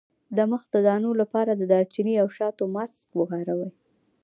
د مخ د دانو لپاره د دارچینی او شاتو ماسک وکاروئ